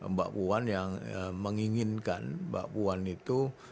mbak buan yang menginginkan mbak buan itu